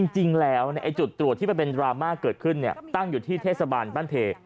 จริงแล้วจุดตรวจที่มันเป็นดราม่าเกิดขึ้นตั้งอยู่ที่เทศบาลบ้านเพ